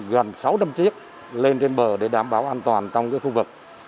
gần sáu trăm linh chiếc lên trên bờ để đảm bảo an toàn trong khu vực